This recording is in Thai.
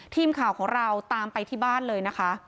ทีมข่าวของเราตามไปที่บ้านเลยนะคะ